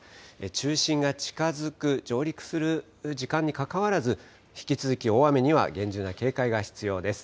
中心が近づく、上陸する時間にかかわらず、引き続き大雨には厳重な警戒が必要です。